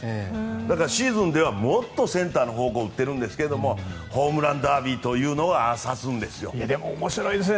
だからシーズンではもっとセンターのほうに打ってるんですけどもホームランダービーというのはああさせるんですよ。